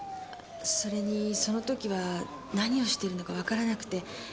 それにその時は何をしてるのかわからなくて。